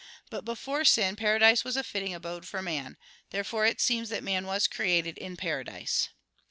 But before sin paradise was a fitting abode for man. Therefore it seems that man was created in paradise.